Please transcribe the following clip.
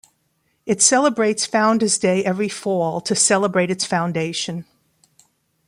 It celebrates Founders' Day every Fall to celebrate its foundation.